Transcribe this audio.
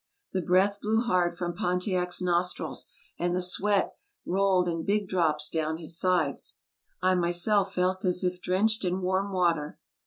The breath blew hard from Pontiac's nostrils, and the sweat rolled in big drops down his sides ; I myself felt as if drenched in warm water.